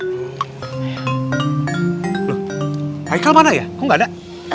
loh hekal mana ya kok gak ada